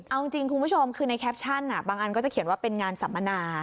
เอาจริงคุณผู้ชมคือในแคปชั่นบางอันก็จะเขียนว่าเป็นงานสัมมนา